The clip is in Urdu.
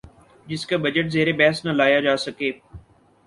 جس کا بجٹ زیربحث نہ لایا جا سکے